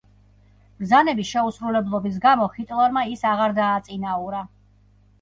ბრძანების შეუსრულებლობის გამო ჰიტლერმა ის აღარ დააწინაურა.